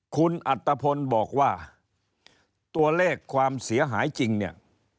คุณอัตภพลบอกว่าตัวเลขความเสียหายจริงเนี่ย